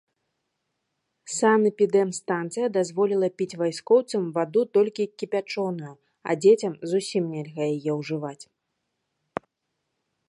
Санэпідэмстанцыя дазволіла піць вяскоўцам ваду толькі кіпячоную, а дзецям зусім нельга яе ўжываць.